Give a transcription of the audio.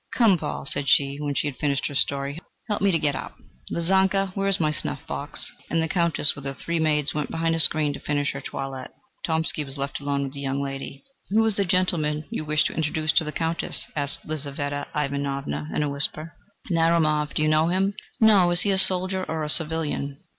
"Come, Paul," said she, when she had finished her story, "help me to get up. Lizanka, where is my snuff box?" And the Countess with her three maids went behind a screen to finish her toilette. Tomsky was left alone with the young lady. "Who is the gentleman you wish to introduce to the Countess?" asked Lizaveta Ivanovna in a whisper. "Narumov. Do you know him?" "No. Is he a soldier or a civilian?"